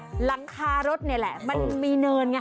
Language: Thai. แบบว่ารังคารถนี่แหละมันมีเนินไง